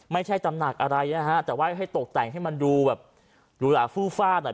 ไม่ใช่ตำหนักอะไรนะฮะแต่ว่าให้ตกแต่งให้มันดูแบบดูห่าฟู้ฟาดอ่ะ